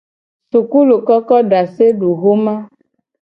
Sukulukokodaseduxoma.